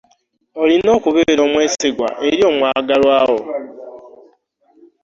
Olina okubeera omwesigwa eri omwagalwa wo.